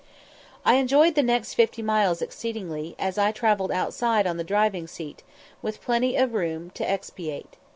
I enjoyed the next fifty miles exceedingly, as I travelled outside on the driving seat, with plenty of room to expatiate.